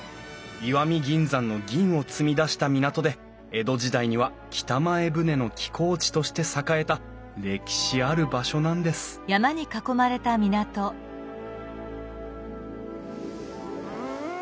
石見銀山の銀を積み出した港で江戸時代には北前船の寄港地として栄えた歴史ある場所なんですうん！